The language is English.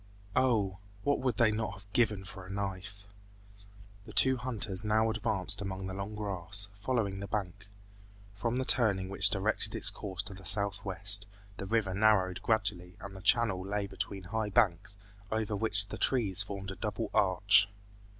Oh! what would they not have given for a knife! The two hunters now advanced among the long grass, following the bank. From the turning which directed its course to the southwest, the river narrowed gradually and the channel lay between high banks, over which the trees formed a double arch.